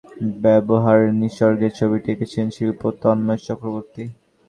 লাল, নীল, খয়েরি, ধূসর রঙের ব্যবহারে নিসর্গের ছবিটি এঁকেছেন শিল্পী তন্ময় চক্রবর্তী।